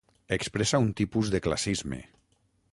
Expressa un tipus de classisme.